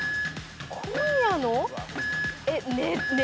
今夜の？